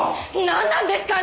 なんなんですか？